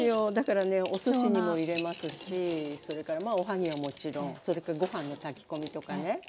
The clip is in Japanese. おすしにも入れますしそれからおはぎはもちろんそれからご飯の炊き込みとかね。